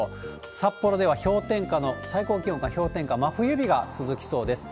札幌では氷点下の、最高気温が氷点下、真冬日が続きそうです。